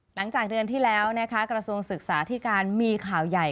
หลังจากเดือนที่แล้วนะคะกระทรวงศึกษาที่การมีข่าวใหญ่